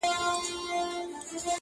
نو پیاده څنګه روان پر دغه لار دی!.